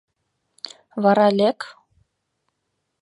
Вара лек.